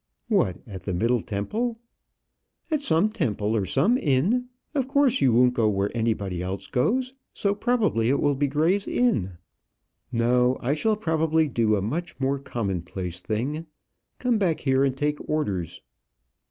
"What, at the Middle Temple?" "At some Temple or some Inn: of course you won't go where anybody else goes; so probably it will be Gray's Inn." "No, I shall probably do a much more commonplace thing; come back here and take orders."